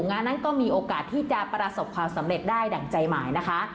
งานนั้นก็มีโอกาสที่จะประสบความสำเร็จได้ดั่งใจหมายนะคะ